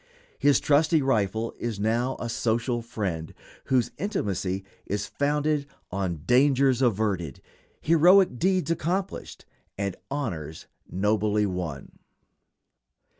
His trusty rifle is now a social friend, whose intimacy is founded on dangers averted, heroic deeds accomplished, and honors nobly won.